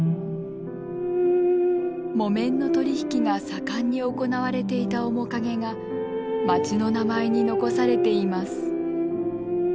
木綿の取り引きが盛んに行われていた面影が町の名前に残されています。